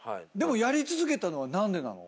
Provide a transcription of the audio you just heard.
やり続けたのは何でなの？